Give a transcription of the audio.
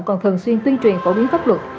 còn thường xuyên tuyên truyền phổ biến pháp luật